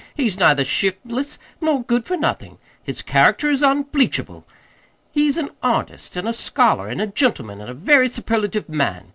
"He's neither shiftless, nor good for nothin'. His character is unbleachable! He's an artist an' a scholar an' a gentleman, an' a very superlative man.